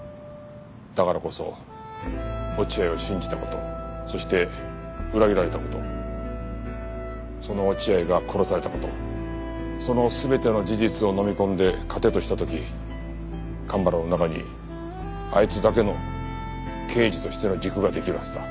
だからこそ落合を信じた事そして裏切られた事その落合が殺された事その全ての事実をのみ込んで糧とした時蒲原の中にあいつだけの刑事としての軸が出来るはずだ。